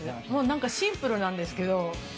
シンプルなんですけど。